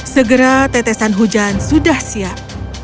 segera tetesan hujan sudah siap